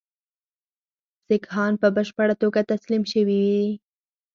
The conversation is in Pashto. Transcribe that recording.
سیکهان په بشپړه توګه تسلیم شوي وي.